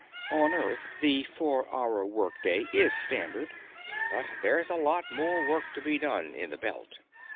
On Earth, the four hour workday is standard, but there's a lot more work to be done in the Belt.